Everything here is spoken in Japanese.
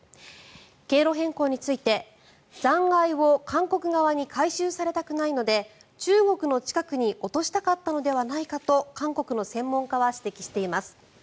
経路変更について残骸を韓国側に回収されたくないので中国の近くに落としたかったのではないかと韓国の専門家は指摘しています。